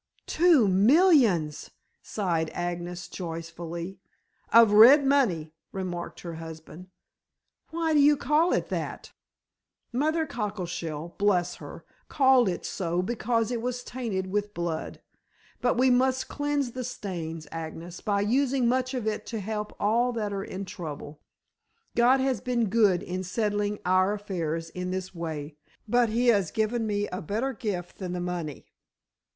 "Two millions!" sighed Agnes joyfully. "Of red money," remarked her husband. "Why do you call it that?" "Mother Cockleshell bless her! called it so because it was tainted with blood. But we must cleanse the stains, Agnes, by using much of it to help all that are in trouble. God has been good in settling our affairs in this way, but He has given me a better gift than the money."